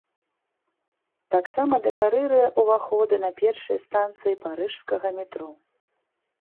Таксама дэкарыруе ўваходы на першыя станцыі парыжскага метро.